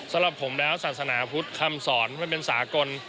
สำหรับผมแล้วศาสนาพุทธคำสอนมันเป็นสากล